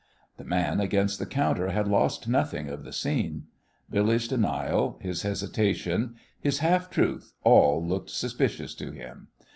The man against the counter had lost nothing of the scene. Billy's denial, his hesitation, his half truth all looked suspicious to him.